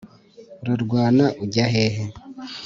Urarwana ujya hehe